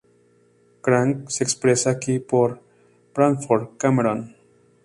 Krang se expresa aquí por Bradford Cameron.